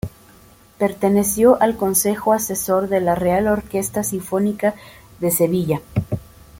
Perteneció al Consejo Asesor de la Real Orquesta Sinfónica de Sevilla.